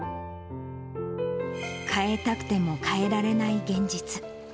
変えたくても変えられない現実。